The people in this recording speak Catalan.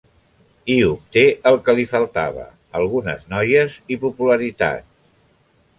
Hi obté el que li faltava: algunes noies i popularitat.